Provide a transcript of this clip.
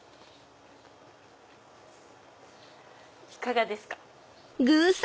いかがですか？